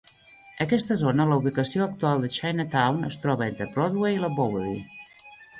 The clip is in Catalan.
Aquesta zona, la ubicació actual de Chinatown, es troba entre Broadway i la Bowery.